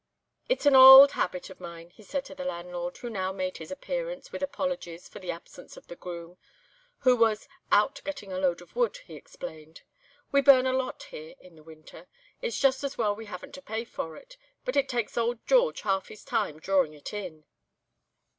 "It's an auld habit o' mine," he said to the landlord, who now made his appearance with apologies for the absence of the groom, who was "out, getting a load of wood," he explained. "We burn a lot here in the winter—it's just as well we haven't to pay for it—but it takes old George half his time drawing it in."